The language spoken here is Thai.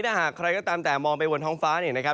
ถ้าหากใครก็ตามแต่มองไปบนท้องฟ้า